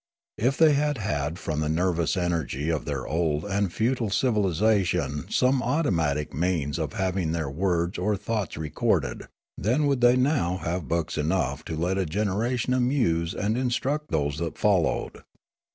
If they had had from the nervous energy of their old and futile civilisation some automatic means of having their words or thoughts recorded, then would they now have books enough to let a generation amuse and in struct those that followed.